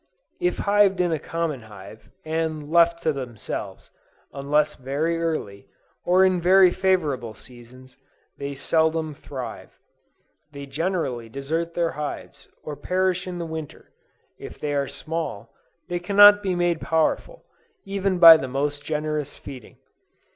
If hived in a common hive, and left to themselves, unless very early, or in very favorable seasons, they seldom thrive. They generally desert their hives, or perish in the winter. If they are small, they cannot be made powerful, even by the most generous feeding.